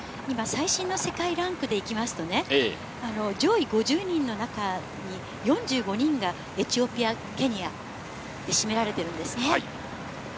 最新の世界ランクでいいますと、上位５０人の中に４５人がエチオピア、ケニアで占められているんです。